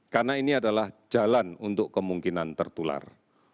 karena ini adalah jalan untuk kemungkinan tertular